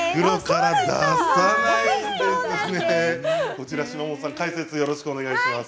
こちら島本さん解説よろしくお願いします。